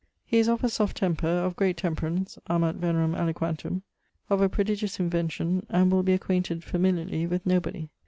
He is of a soft temper, of great temperance (amat Venerem aliquantum): of a prodigious invention, and will be acquainted (familiarly) with nobody.